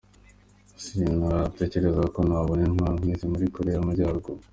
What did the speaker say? “Si natekerezaga ko nabona intwaro nkizi muri Koreya y’Amajyaruguru.”